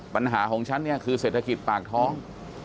ปัญหาของฉันเนี่ยคือเศรษฐกิจปากท้อง